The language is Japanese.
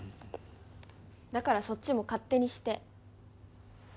だから、そっちも勝手にして。